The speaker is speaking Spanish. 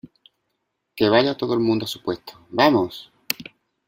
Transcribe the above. que vaya todo el mundo a su puesto. ¡ vamos!